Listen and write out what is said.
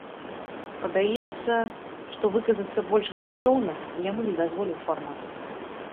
Падаецца, што выказацца больш грунтоўна яму не дазволіў фармат.